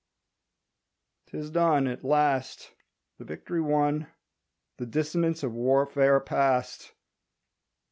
'Tis done At last! The victory won, The dissonance of warfare past!